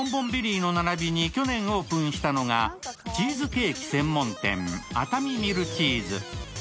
ＢｏｎＢｏｎＢＲＥＥＹの並びに去年オープンしたのがチーズケーキ専門店、熱海ミルチーズ。